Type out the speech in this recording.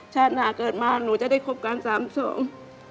ชาติหน้าเกิดมาหนูจะได้คบกันสามสอง